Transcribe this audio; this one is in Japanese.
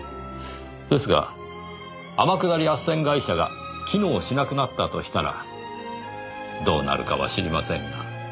ですが天下り斡旋会社が機能しなくなったとしたらどうなるかは知りませんが。